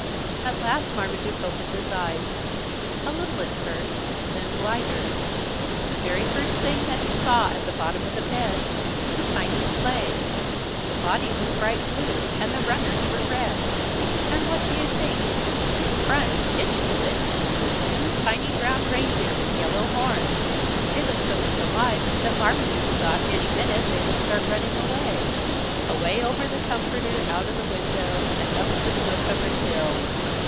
At last Marmaduke opened his eyes, a little at first, then wider. The very first thing that he saw at the bottom of the bed was a tiny sleigh. The body was bright blue and the runners were red. And what do you think in front, hitched to it, were two tiny brown reindeer with yellow horns! They looked so much alive that Marmaduke thought any minute they would start running away away over the comforter, out of the window, and up the snow covered hill.